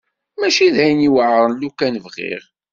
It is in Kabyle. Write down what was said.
Mačči d ayen yuɛren lukan bɣiɣ.